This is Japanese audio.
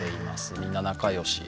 みんな、仲良し。